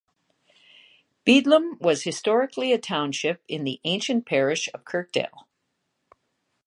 Beadlam was historically a township in the ancient parish of Kirkdale.